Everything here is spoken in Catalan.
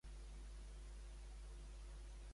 D'on forma part Mats Löfström?